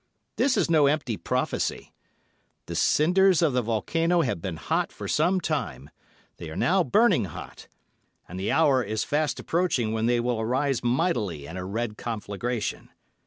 This is no empty prophecy. The cinders of the volcano have been hot for some time—they are now burning hot—and the hour is fast approaching when they will arise mightily in a red conflagration.